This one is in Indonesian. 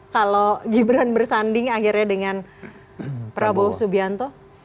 kalau gibran bersanding akhirnya dengan prabowo subianto